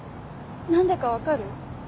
何でかわかる？